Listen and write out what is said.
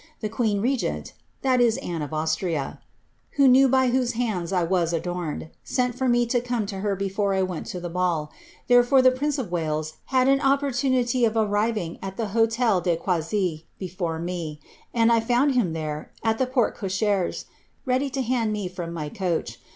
The queen regent, (Anne of Aus tria,) who knew by whose hands I was adorned, sent for me to come to her before I went to the ball ; therefore the prince of Wales had an op portunity of arriving at the hotel de Choisy before me, and I found him there, at the partes eochere$^ ready to hand me from my coach.